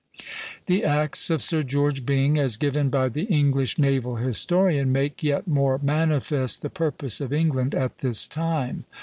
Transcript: The acts of Sir George Byng, as given by the English naval historian, make yet more manifest the purpose of England at this time.